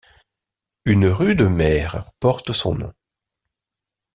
Une rue de Mer porte son nom.